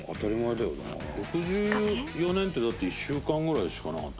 富澤：６４年って、だって１週間ぐらいしかなかった。